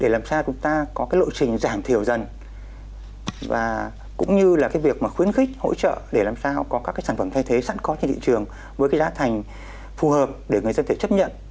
lộ trình giảm thiểu dần và cũng như là cái việc mà khuyến khích hỗ trợ để làm sao có các cái sản phẩm thay thế sẵn có trên thị trường với cái giá thành phù hợp để người dân thể chấp nhận